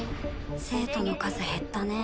生徒の数減ったね。